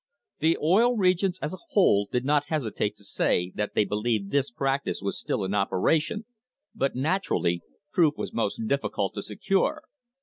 The Oil Regions as a whole did not hesitate to say that they believed this practice was still in operation, but, naturally, proof was most difficult to secure.